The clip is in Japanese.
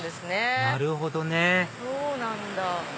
なるほどねそうなんだ。